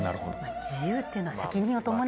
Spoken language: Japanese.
自由っていうのは責任を伴う。